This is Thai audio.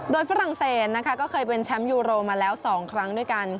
โดยฝรั่งเศสนะคะก็เคยเป็นแชมป์ยูโรมาแล้ว๒ครั้งด้วยกัน